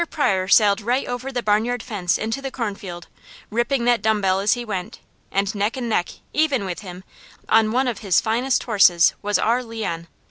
Pryor sailed right over the barnyard fence into the cornfield, ripping that dumb bell as he went, and neck and neck, even with him, on one of his finest horses, was our Leon.